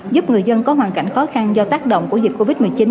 giúp người dân có hoàn cảnh khó khăn do tác động của dịch covid một mươi chín